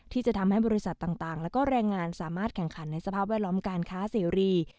ที่จะทำให้บริษัทต่างและแรงงานสามารถแข่งขันในสภาพแวดล้อมการค้าเสรี